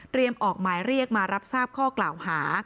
ออกหมายเรียกมารับทราบข้อกล่าวหา